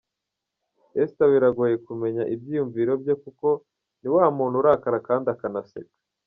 Esther biragoye kumenya ibyiyumviro bye kuko ni wa muntu urakara kandi akanaseka.